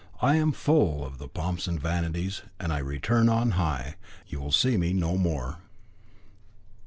I am full of the pomps and vanities, and I return on high. You will see me no more."